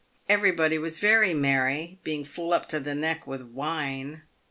Every body was very merry, being full up to the neck with wine.